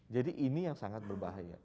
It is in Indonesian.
jadi ini yang sangat berbahaya